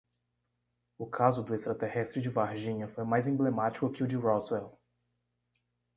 O caso do extraterrestre de Varginha foi mais emblemático que o de Roswell